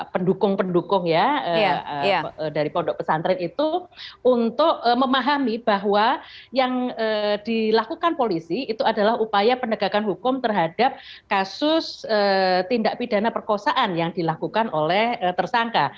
pendukung pendukung ya dari pondok pesantren itu untuk memahami bahwa yang dilakukan polisi itu adalah upaya penegakan hukum terhadap kasus tindak pidana perkosaan yang dilakukan oleh tersangka